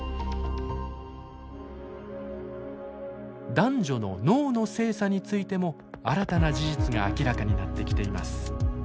男女の脳の性差についても新たな事実が明らかになってきています。